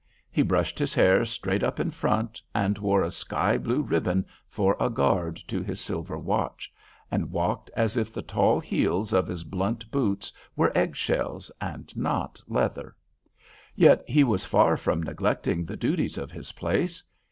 He brushed his hair straight up in front, and wore a sky blue ribbon for a guard to his silver watch, and walked as if the tall heels of his blunt boots were egg shells and not leather. Yet he was far from neglecting the duties of his place.